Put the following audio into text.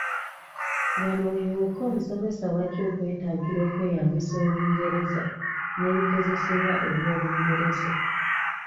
Wano we wokka omusomesa w'ajja okwetaagira okweyambisa Olungereza n’ebikozesebwa eby’Olungereza.